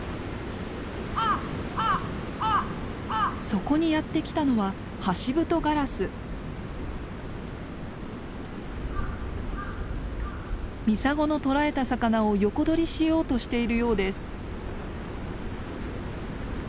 そこにやって来たのはミサゴの捕らえた魚を横取りしようとしているようです。